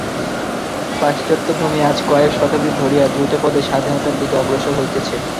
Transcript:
পাশ্চাত্যভূমি আজ কয়েক শতাব্দী ধরিয়া দ্রুতপদে স্বাধীনতার দিকে অগ্রসর হইতেছে।